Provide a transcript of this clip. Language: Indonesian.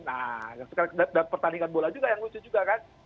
nah yang sekarang pertandingan bola juga yang lucu juga kan